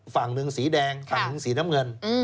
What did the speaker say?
ฝั่งหนึ่งสีน้ำเงิน